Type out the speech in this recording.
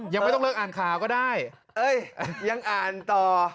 ยังไม่ต้องเลิกอ่านข่าวก็ได้เอ้ยยังอ่านต่อ